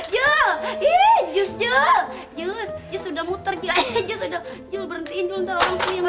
jules jules jules jules jules udah muter juga jules berhentiin ntar orang puyeng